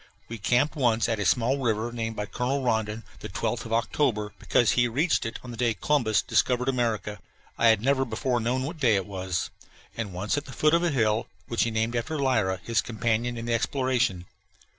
We camped once at a small river named by Colonel Rondon the "Twelfth of October," because he reached it on the day Columbus discovered America I had never before known what day it was! and once at the foot of a hill which he had named after Lyra, his companion in the exploration.